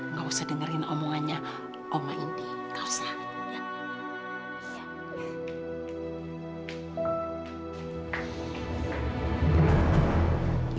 nggak usah dengerin omongannya oma indi nggak usah